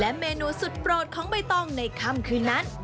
เมนูสุดโปรดของใบตองในค่ำคืนนั้น